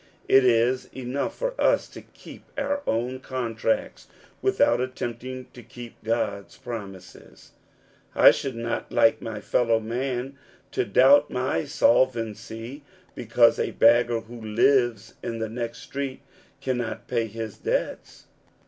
It is enough for us to keep our own contracts without attempting to keep God's promises, I should not like my fellow man to doubt my solvency because a beggar who lives in the next street cannot pay his debts.